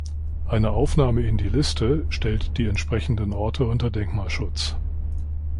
Eine Aufnahme in die Liste stellt die entsprechenden Orte unter Denkmalschutz.